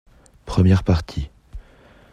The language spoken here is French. Première Partie